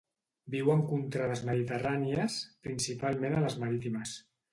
Viu en contrades mediterrànies principalment a les marítimes.